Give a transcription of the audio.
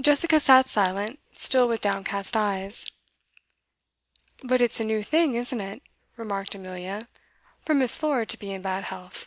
Jessica sat silent, still with downcast eyes. 'But it's a new thing, isn't it,' remarked Amelia, 'for Miss. Lord to be in bad health?